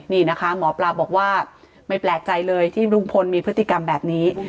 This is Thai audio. นี่นะคะหมอปลาบอกว่าไม่แปลกใจเลยที่ลุงพลมีพฤติกรรมแบบนี้